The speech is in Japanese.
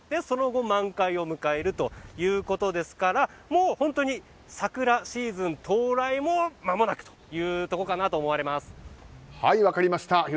その後満開を迎えるということですからもう本当に桜シーズン到来もまもなくというところかなと分かりました。